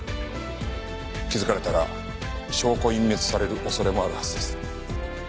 気づかれたら証拠隠滅される恐れもあるはずです。